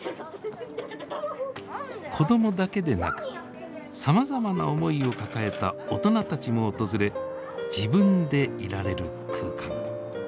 子どもだけでなくさまざまな思いを抱えた大人たちも訪れ自分でいられる空間。